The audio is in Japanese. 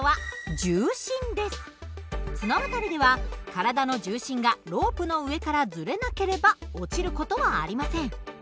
綱渡りでは体の重心がロープの上からずれなければ落ちる事はありません。